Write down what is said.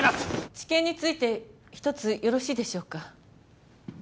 治験について一つよろしいでしょうか？